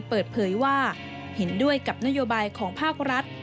เปิดเผยว่าเห็นด้วยกับนโยบายของภาครัฐ